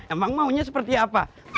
emang maunya seperti apa